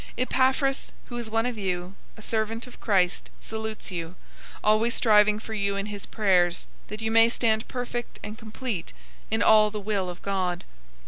004:012 Epaphras, who is one of you, a servant of Christ, salutes you, always striving for you in his prayers, that you may stand perfect and complete in all the will of God.